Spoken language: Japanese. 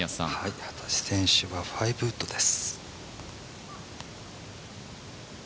幡地選手は５ウッドです。